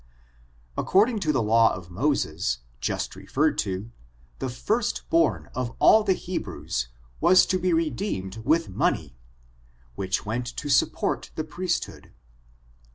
According to the law of Moses, just referred to, the first bom of all the Hebrews was to be redeemed with money, which went to support the priesthood.